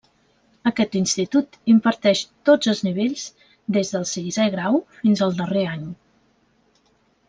Aquest institut imparteix tots els nivells des del sisè grau fins al darrer any.